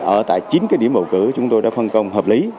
ở tại chín cái điểm bầu cử chúng tôi đã phân công hợp lý